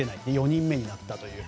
４人目になったという